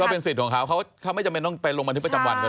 เป็นสิทธิ์ของเขาเขาไม่จำเป็นต้องไปลงบันทึกประจำวันเขา